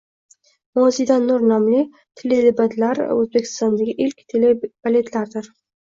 “Moziydan nur” nomli telebaletlar O’zbekistondagi ilk telebaletlardir.